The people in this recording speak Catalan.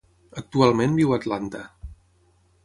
Actualment viu a Atlanta.